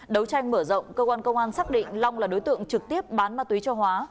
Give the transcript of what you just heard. đấu tranh mở rộng cơ quan công an xác định long là đối tượng trực tiếp bán ma túy cho hóa